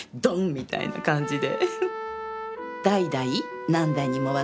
みたいな感じで。